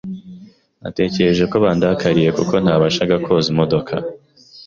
Natekereje ko barandakariye kuko ntabafashaga koza imodoka.